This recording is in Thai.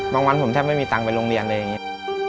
บางวันผมแทบไม่มีตังค์ไปโรงเรียนเลย